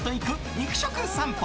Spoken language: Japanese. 肉食さんぽ。